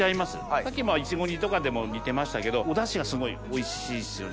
さっきいちご煮とかでも煮てましたけどお出汁がすごいおいしいですよね。